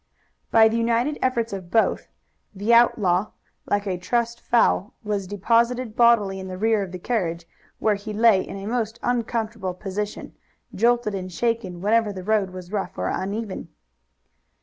By the united efforts of both the outlaw, like a trussed fowl, was deposited bodily in the rear of the carriage, where he lay in a most uncomfortable position, jolted and shaken whenever the road was rough or uneven.